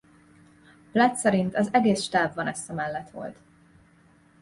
Platt szerint az egész stáb Vanessa mellett volt.